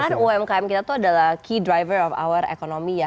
dan umkm adalah driver utama dari ekonomi kita ya